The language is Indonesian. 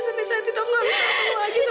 sampai saat itu aku gak bisa lagi sama kak evita